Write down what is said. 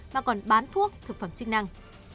mà còn bán thuốc thực phẩm chức năng